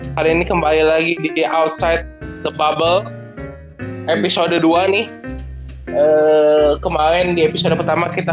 hari ini kembali lagi di outside the bubble episode dua nih kemarin di episode pertama kita